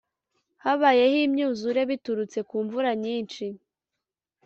habayeho imyuzure biturutse ku mvura nyinshi.